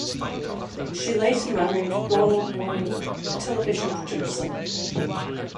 She later married Ronald Wayne, a television producer.